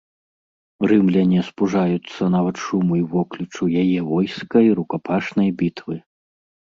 Рымляне спужаюцца нават шуму і воклічу яе войска і рукапашнай бітвы.